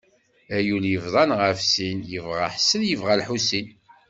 A yul yebḍan ɣef sin, yebɣa ḥsen, yebɣa lḥusin.